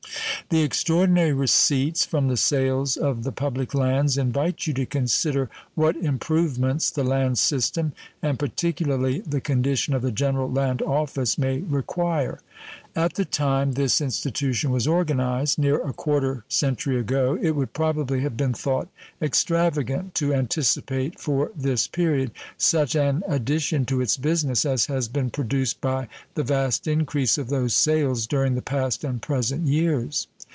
The extraordinary receipts from the sales of the public lands invite you to consider what improvements the land system, and particularly the condition of the General Land Office, may require. At the time this institution was organized, near a quarter century ago, it would probably have been thought extravagant to anticipate for this period such an addition to its business as has been produced by the vast increase of those sales during the past and present years.